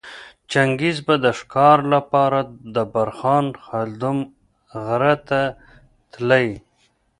چنګیز به د ښکاره لپاره د برخان خلدون غره ته تلی